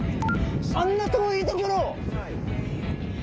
あんな遠い所を！